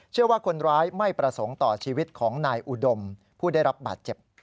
เชื่อว่าคนร้ายไม่ประสงค์ต่อชีวิตของนายอุดมผู้ได้รับบาดเจ็บ